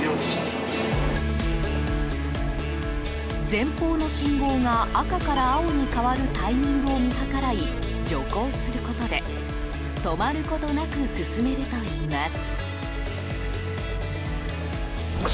前方の信号が赤から青に変わるタイミングを見計らい、徐行することで止まることなく進めるといいます。